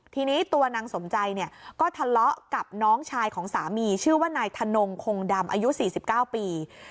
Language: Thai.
ทีนี้ตัวนางสมใจเนี่ยก็ทะเลาะกับน้องชายของสามีชื่อว่านายธนงคงดำอายุ๔๙ปี